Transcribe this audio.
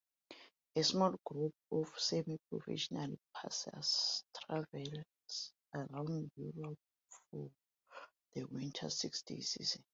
A small group of semi-professional pacers travels around Europe for the winter six-day season.